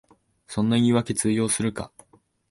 そんな言いわけ通用するか